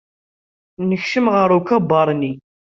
Nekcem ɣer ukabar-nni.